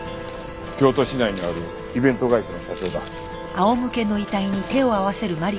京都市内にあるイベント会社の社長だ。